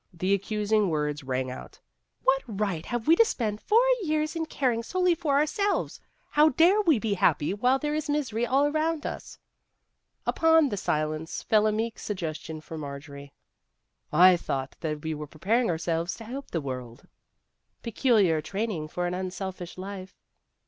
The accusing words rang out :" What right have we to spend four years in caring solely for ourselves? How dare we be happy while there is misery all around us?" One of the Girls 273 Upon the silence fell a meek suggestion from Marjorie :" I thought that we were preparing ourselves to help the world !"" Peculiar training for an unselfish life